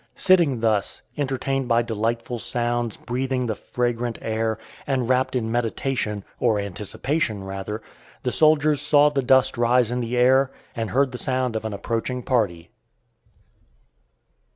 Sitting thus, entertained by delightful sounds, breathing the fragrant air, and wrapped in meditation, or anticipation rather, the soldiers saw the dust rise in the air, and heard the sound of an approaching party.